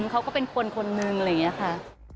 เขาก็เป็นคนคนนึงอะไรอย่างนี้ค่ะ